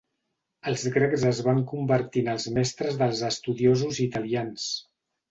Els grecs es van convertir en els mestres dels estudiosos italians.